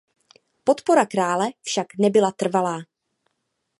Podpora krále však nebyla trvalá.